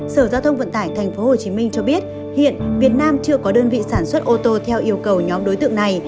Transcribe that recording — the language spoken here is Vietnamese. sở giao thông vận tải tp hcm cho biết hiện việt nam chưa có đơn vị sản xuất ô tô theo yêu cầu nhóm đối tượng này